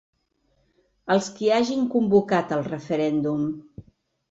Els qui hagin convocat el referèndum.